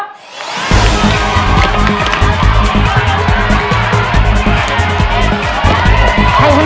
คุณฝนจากชายบรรยาย